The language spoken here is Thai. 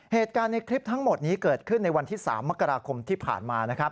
เหตุการณ์ในคลิปทั้งหมดนี้เกิดขึ้นในวันที่๓มกราคมที่ผ่านมานะครับ